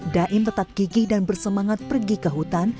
daim tetap gigih dan bersemangat pergi ke hutan